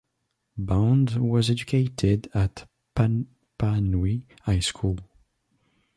Bond was educated at Papanui High School.